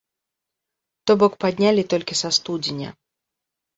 То бок паднялі толькі са студзеня.